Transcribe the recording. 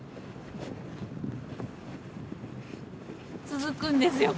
続くんですよ